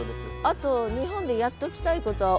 あと日本でやっときたいことは？